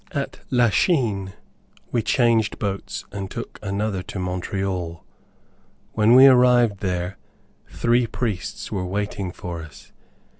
At Lachine we changed boats and took another to Montreal. When we arrived there, three priests were waiting for us.